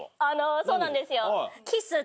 そうなんですよ。